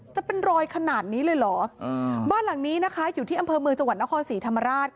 จะเป็นรอยขนาดนี้เลยเหรอบ้านหลังนี้นะคะอยู่ที่อำเภอเมืองจังหวัดนครศรีธรรมราช